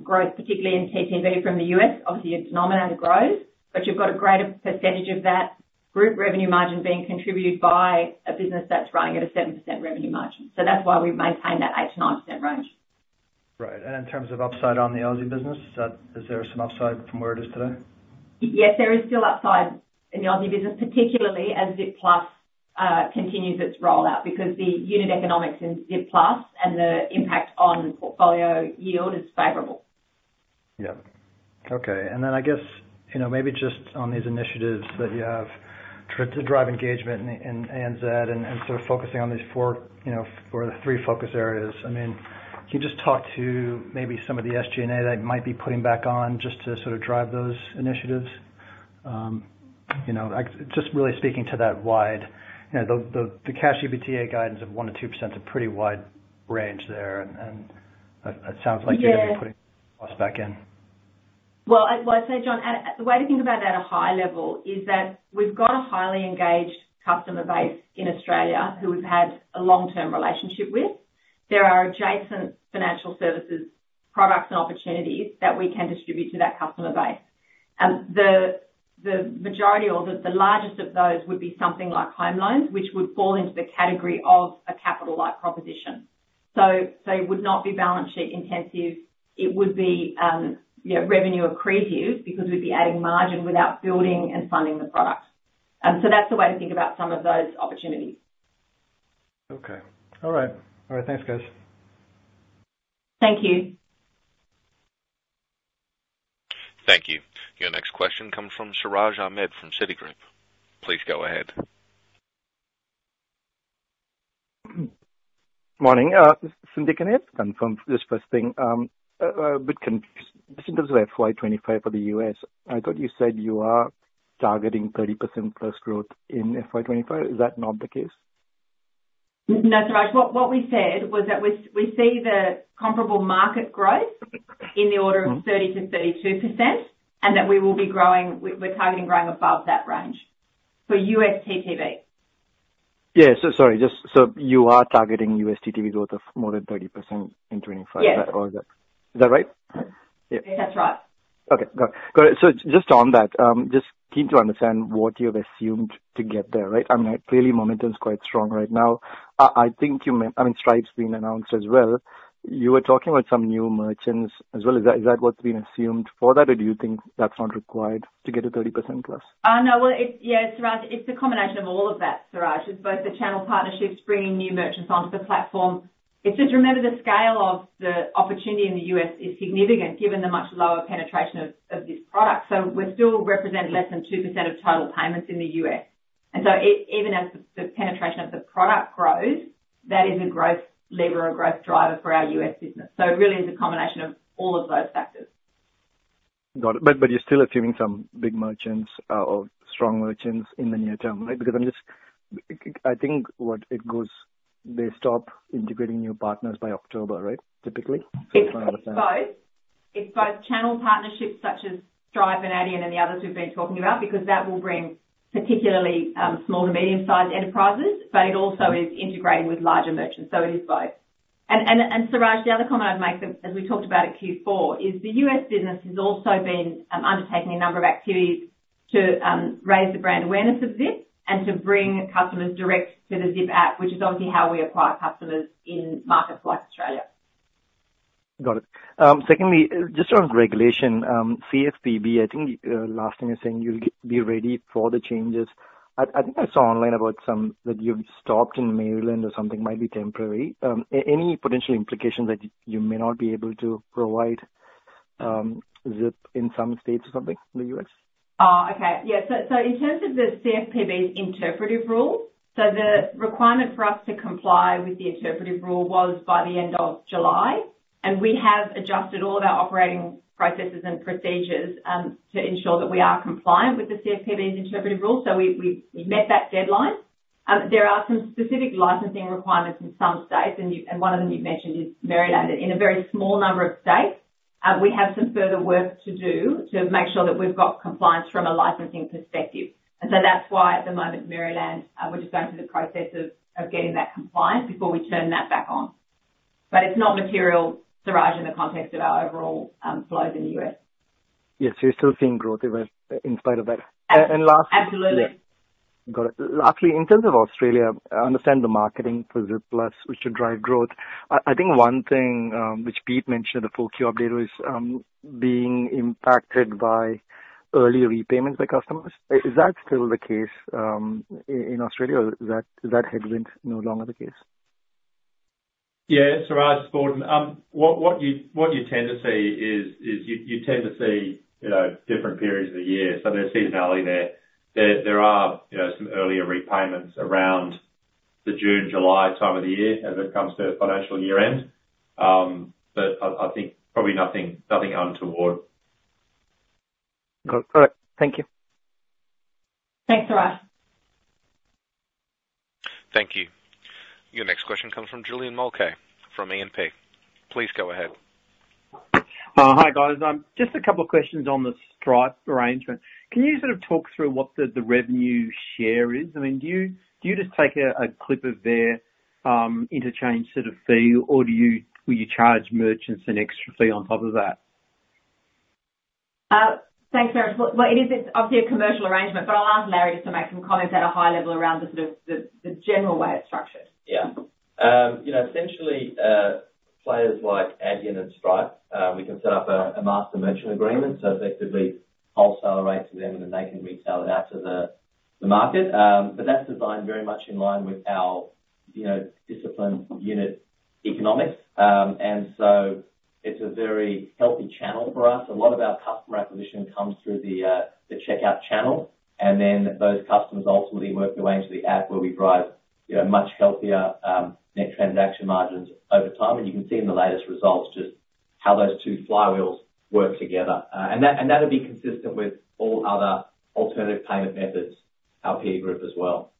growth, particularly in TTV from the US, obviously, your denominator grows, but you've got a greater percentage of that group revenue margin being contributed by a business that's running at a 7% revenue margin. So that's why we've maintained that 8%-9% range. Right. And in terms of upside on the Aussie business, is there some upside from where it is today? Yes, there is still upside in the Aussie business, particularly as Zip Plus continues its rollout, because the unit economics in Zip Plus and the impact on portfolio yield is favorable. Yeah. Okay, and then I guess, you know, maybe just on these initiatives that you have to drive engagement in ANZ and sort of focusing on these four, you know, or the three focus areas, I mean, can you just talk to maybe some of the SG&A that might be putting back on just to sort of drive those initiatives? You know, like, just really speaking to that wide, you know, the cash EBITDA guidance of 1%-2% is a pretty wide range there, and it sounds like- Yeah. You're going to be putting costs back in. ... I'd say, John, the way to think about it at a high level is that we've got a highly engaged customer base in Australia who we've had a long-term relationship with. There are adjacent financial services, products, and opportunities that we can distribute to that customer base. The majority or the largest of those would be something like home loans, which would fall into the category of a capital-like proposition. So it would not be balance sheet intensive. It would be, you know, revenue accretive, because we'd be adding margin without building and funding the product. So that's the way to think about some of those opportunities. Okay. All right. All right, thanks, guys. Thank you. Thank you. Your next question comes from Siraj Ahmed from Citigroup. Please go ahead. Morning, Cindy, can I ask? And from just first thing, bit confused. Just in terms of FY25 for the U.S., I thought you said you are targeting 30%+ growth in FY25. Is that not the case? No, Siraj. What we said was that we see the comparable market growth- Mm-hmm in the order of 30%-32%, and that we will be growing, we're targeting growing above that range for US TTV. Yeah. So sorry, just so you are targeting US TTV growth of more than 30% in 2025? Yes. Or is that, is that right? Yeah. That's right. Okay, got it. Got it. So just on that, just keen to understand what you have assumed to get there, right? I mean, clearly momentum is quite strong right now. I, I think you meant... I mean, Stripe's been announced as well. You were talking about some new merchants as well. Is that, is that what's been assumed for that, or do you think that's not required to get to 30%+? No. Well, it's yeah, Siraj, it's a combination of all of that, Siraj. It's both the channel partnerships, bringing new merchants onto the platform. It's just, remember, the scale of the opportunity in the U.S. is significant, given the much lower penetration of this product. So we still represent less than 2% of total payments in the U.S. And so even as the penetration of the product grows, that is a growth lever or growth driver for our U.S. business. So it really is a combination of all of those factors. Got it. But you're still assuming some big merchants or strong merchants in the near term, right? Because I'm just... I think what it goes, they stop integrating new partners by October, right? Typically, just so I understand. It's both. It's both channel partnerships such as Stripe and Adyen, and the others we've been talking about, because that will bring particularly small to medium-sized enterprises, but it also is integrating with larger merchants, so it is both. And Siraj, the other comment I'd make, as we talked about in Q4, is the U.S. business has also been undertaking a number of activities to raise the brand awareness of Zip and to bring customers direct to the Zip app, which is obviously how we acquire customers in markets like Australia. Got it. Secondly, just around regulation, CFPB, I think, last time you're saying you'll be ready for the changes. I think I saw online about some that you've stopped in Maryland or something, might be temporary. Any potential implications that you may not be able to provide Zip in some states or something in the US? Oh, okay. Yeah, so in terms of the CFPB's interpretive rule, the requirement for us to comply with the interpretive rule was by the end of July, and we have adjusted all of our operating processes and procedures to ensure that we are compliant with the CFPB's interpretive rule, so we've met that deadline. There are some specific licensing requirements in some states, and one of them you've mentioned is Maryland. In a very small number of states, we have some further work to do to make sure that we've got compliance from a licensing perspective. And so that's why at the moment, Maryland, we're just going through the process of getting that compliance before we turn that back on. But it's not material, Siraj, in the context of our overall flows in the US. Yes, so you're still seeing growth even in spite of that. Ab- And last- Absolutely. Yeah. Got it. Lastly, in terms of Australia, I understand the marketing for Zip Plus, which should drive growth. I think one thing, which Pete mentioned in the full Q update was, being impacted by early repayments by customers. Is that still the case, in Australia, or is that headroom no longer the case? Yeah, Siraj, it's Gordon. What you tend to see is you tend to see you know different periods of the year, so there's seasonality there. There are you know some earlier repayments around the June, July time of the year as it comes to financial year end. But I think probably nothing untoward. Got it. All right. Thank you. Thanks, Siraj. Thank you. Your next question comes from Julian Mulcahy from AMP. Please go ahead. Hi, guys. Just a couple of questions on the Stripe arrangement. Can you sort of talk through what the revenue share is? I mean, do you just take a clip of their interchange sort of fee, or will you charge merchants an extra fee on top of that? Thanks, Julian. It is, it's obviously a commercial arrangement, but I'll ask Larry just to make some comments at a high level around the sort of the general way it's structured. Yeah. You know, essentially, players like Adyen and Stripe, we can set up a master merchant agreement, so effectively wholesale rate to them, and then they can retail it out to the market. But that's designed very much in line with our, you know, disciplined unit economics. And so it's a very healthy channel for us. A lot of our customer acquisition comes through the checkout channel, and then those customers ultimately work their way into the app, where we drive, you know, much healthier net transaction margins over time. And you can see in the latest results just how those two flywheels work together. And that would be consistent with all other alternative payment methods, our peer group as well....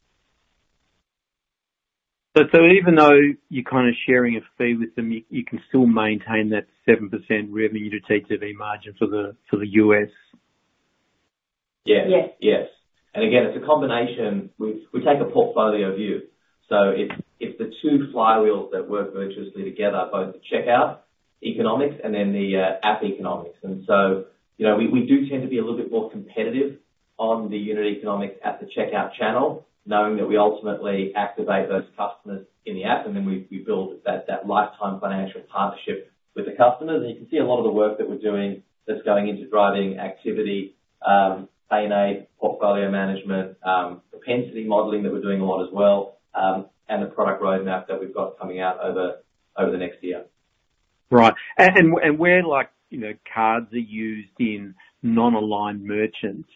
But so even though you're kind of sharing a fee with them, you can still maintain that 7% revenue to TTV margin for the US? Yeah. Yes. Yes. And again, it's a combination. We take a portfolio view. So it's the two flywheels that work virtuously together, both the checkout economics and then the app economics. And so, you know, we do tend to be a little bit more competitive on the unit economics at the checkout channel, knowing that we ultimately activate those customers in the app, and then we build that lifetime financial partnership with the customers. And you can see a lot of the work that we're doing that's going into driving activity, A&A, portfolio management, propensity modeling, that we're doing a lot as well, and the product roadmap that we've got coming out over the next year. Right. And where, like, you know, cards are used in non-aligned merchants,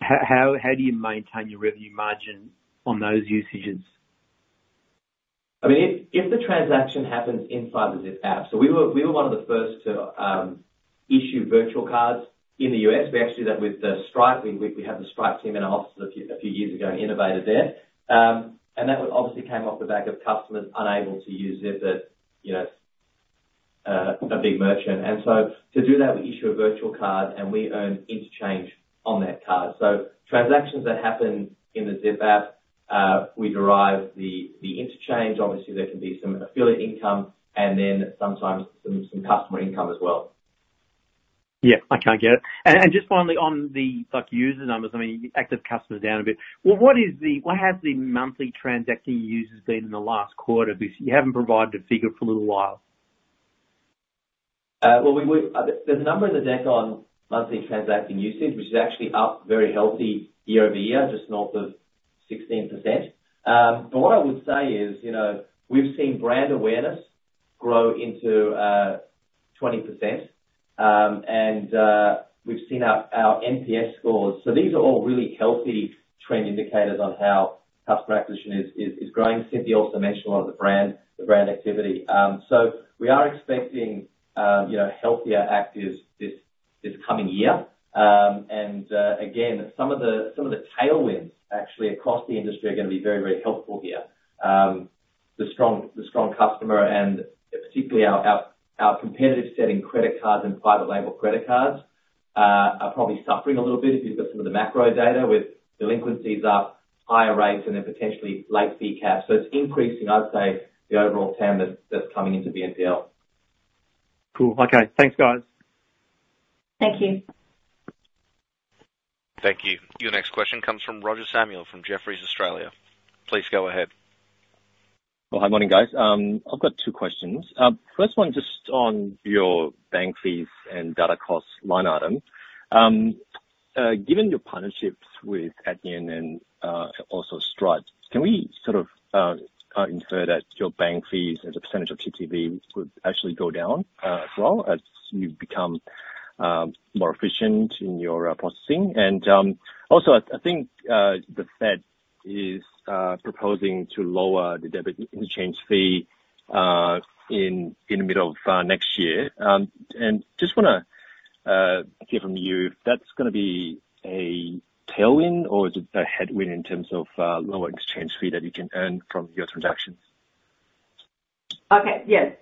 how do you maintain your revenue margin on those usages? I mean, if the transaction happens inside the Zip app, so we were one of the first to issue virtual cards in the U.S. We actually did that with Stripe. We had the Stripe team in our office a few years ago, innovated there, and that obviously came off the back of customers unable to use Zip at, you know, a big merchant. And so to do that, we issue a virtual card, and we earn interchange on that card, so transactions that happen in the Zip app, we derive the interchange. Obviously, there can be some affiliate income, and then sometimes some customer income as well. Yeah, I can get it. And just finally on the, like, user numbers, I mean, active customers down a bit. Well, what has the monthly transacting users been in the last quarter? Because you haven't provided a figure for a little while. Well, there's a number in the deck on monthly transacting users, which is actually up very healthy year-over-year, just north of 16%. But what I would say is, you know, we've seen brand awareness grow into 20%, and we've seen our NPS scores. So these are all really healthy trend indicators on how customer acquisition is growing. Cynthia also mentioned a lot of the brand activity. So we are expecting, you know, healthier actives this coming year. And again, some of the tailwinds, actually, across the industry are gonna be very helpful here. The strong customer, and particularly our competitive setting credit cards and private label credit cards, are probably suffering a little bit. If you've got some of the macro data, with delinquencies up, higher rates, and then potentially late fee caps. So it's increasing, I'd say, the overall TAM that's coming into BNPL. Cool. Okay. Thanks, guys. Thank you. Thank you. Your next question comes from Roger Samuel, from Jefferies Australia. Please go ahead. Hi, morning, guys. I've got two questions. First one, just on your bank fees and data costs line item. Given your partnerships with Adyen and also Stripe, can we sort of infer that your bank fees as a percentage of TTV would actually go down as well as you become more efficient in your processing? And also, I think the Fed is proposing to lower the debit interchange fee in the middle of next year. And just wanna hear from you, if that's gonna be a tailwind or is it a headwind in terms of lower interchange fee that you can earn from your transactions? Okay. Yes.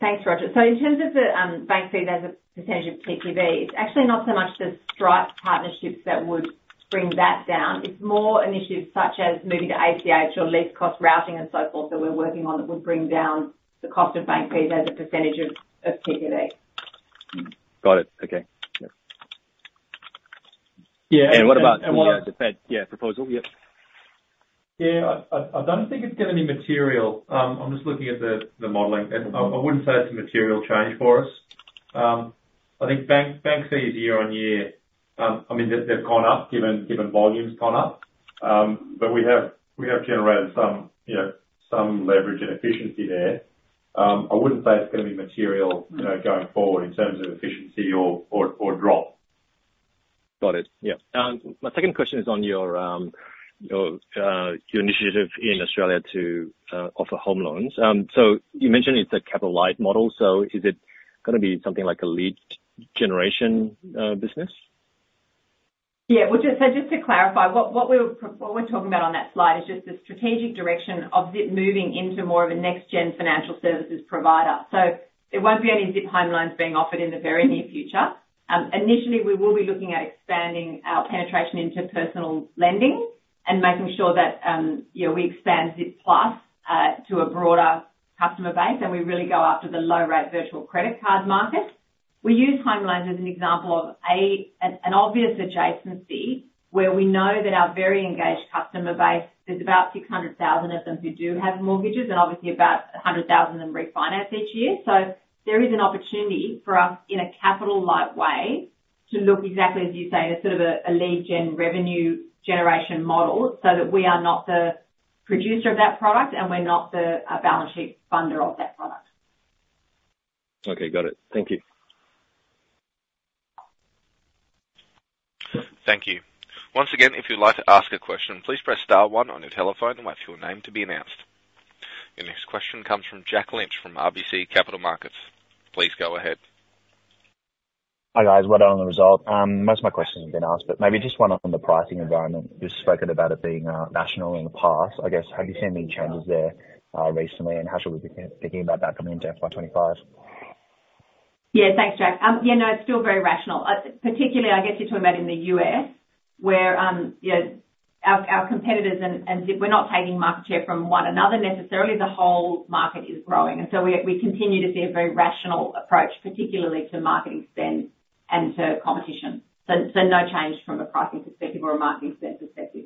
Thanks, Roger. So in terms of the bank fee, as a percentage of TTV, it's actually not so much the Stripe partnerships that would bring that down. It's more initiatives such as moving to ACH or least cost routing and so forth, that we're working on, that would bring down the cost of bank fees as a percentage of TTV. Got it. Okay. Yep. Yeah, and what about- And what about- the Fed, yeah, proposal? Yep. Yeah, I don't think it's got any material. I'm just looking at the modeling, and I wouldn't say it's a material change for us. I think bank fees year on year, I mean, they've gone up, given volume's gone up. But we have generated some, you know, leverage and efficiency there. I wouldn't say it's gonna be material going forward in terms of efficiency or drop. Got it. Yeah. My second question is on your initiative in Australia to offer home loans. So you mentioned it's a capital light model, so is it gonna be something like a lead generation business? Yeah. Well, just, so just to clarify, what we're talking about on that slide, is just the strategic direction of Zip moving into more of a next gen financial services provider. So there won't be any Zip home loans being offered in the very near future. Initially, we will be looking at expanding our penetration into personal lending and making sure that, you know, we expand Zip Plus to a broader customer base, and we really go after the low-rate virtual credit card market. We use home loans as an example of an obvious adjacency, where we know that our very engaged customer base, there's about six hundred thousand of them, who do have mortgages, and obviously about a hundred thousand of them refinance each year. So there is an opportunity for us, in a capital light way, to look exactly as you say, in a sort of a lead gen revenue generation model, so that we are not the producer of that product, and we're not the balance sheet funder of that product. Okay, got it. Thank you. Thank you. Once again, if you'd like to ask a question, please press star one on your telephone and wait for your name to be announced. Your next question comes from Jack Lynch, from RBC Capital Markets. Please go ahead.... Hi, guys. Well done on the result. Most of my questions have been asked, but maybe just one on the pricing environment. You've spoken about it being rational in the past. I guess, have you seen any changes there recently, and how should we be thinking about that coming into FY25? Yeah, thanks, Jack. Yeah, no, it's still very rational. Particularly, I guess you're talking about in the U.S., where our competitors and we're not taking market share from one another necessarily. The whole market is growing, and so we continue to see a very rational approach, particularly to marketing spend and to competition. So no change from a pricing perspective or a marketing spend perspective.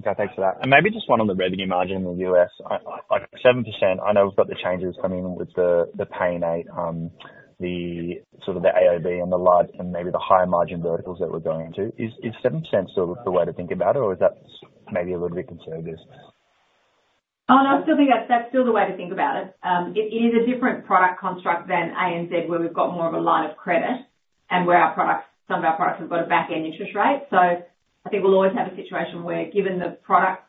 Okay, thanks for that. And maybe just one on the revenue margin in the U.S. I like 7%, I know we've got the changes coming with the Pay in 8, the sort of the AOV and the larger and maybe the higher margin verticals that we're going into. Is 7% still the way to think about it, or is that maybe a little bit conservative? Oh, no, I still think that's, that's still the way to think about it. It is a different product construct than ANZ, where we've got more of a line of credit and where our products, some of our products have got a back-end interest rate. So I think we'll always have a situation where, given the product construct,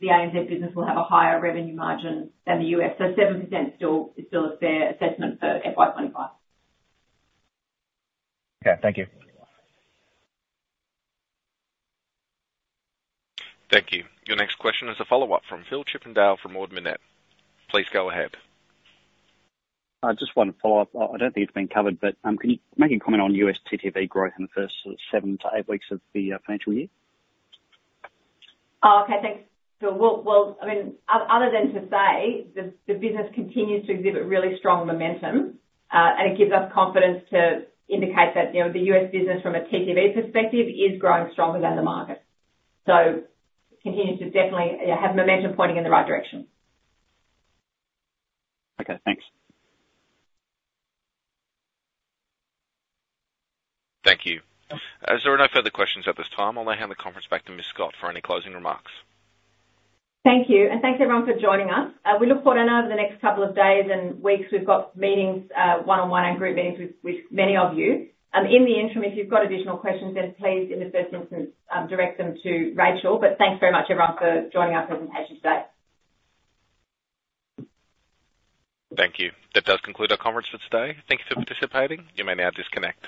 the ANZ business will have a higher revenue margin than the U.S. So 7% still is still a fair assessment for FY 2025. Okay. Thank you. Thank you. Your next question is a follow-up from Phil Chippindale from Ord Minnett. Please go ahead. Just one follow-up. I don't think it's been covered, but can you make any comment on US TTV growth in the first seven-to-eight weeks of the financial year? Oh, okay. Thanks, Phil. Well, I mean, other than to say the business continues to exhibit really strong momentum, and it gives us confidence to indicate that, you know, the US business from a TTV perspective is growing stronger than the market. So continues to definitely, yeah, have momentum pointing in the right direction. Okay, thanks. Thank you. As there are no further questions at this time, I'll now hand the conference back to Ms. Scott for any closing remarks. Thank you, and thanks, everyone, for joining us. We look forward over the next couple of days and weeks. We've got meetings, one-on-one and group meetings with many of you. In the interim, if you've got additional questions, then please, in the first instance, direct them to Rachel. But thanks very much everyone for joining our presentation today. Thank you. That does conclude our conference for today. Thank you for participating. You may now disconnect.